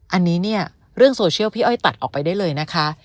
อันนี้เนี่ยเรื่องโซเชียลพี่อ้อยตัดออกไปได้เลยนะคะ